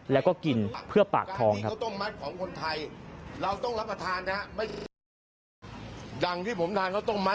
แล้วก็กินเพื่อปากท้อง